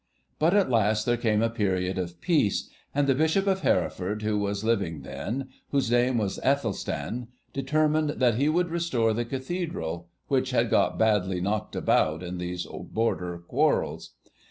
But at last there came a period of peace, and the Bishop of Hereford who was living then, whose name was Æthelstan, determined that he would restore the Cathedral, which had got sadly knocked about in these border quarrels.